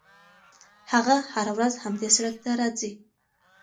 هغه هره ورځ همدې سړک ته راځي.